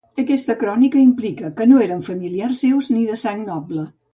Aquesta crònica implica que no eren familiars seus ni de sang noble.